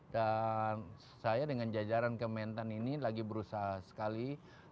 dan saya dengan jajaran kementan ini lagi berusaha sekali